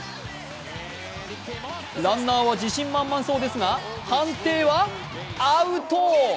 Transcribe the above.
ランナーは自信満々そうですが判定はアウト！